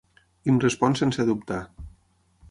I em respon sense dubtar.